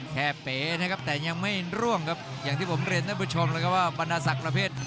แค่เป๋นะครับแต่ยังไม่ร่วงครับอย่างที่ผมเรียนท่านผู้ชมแล้วครับว่าบรรดาศักดิ์ประเภท